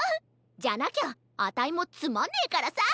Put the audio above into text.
じゃなきゃあたいもつまんねえからさ！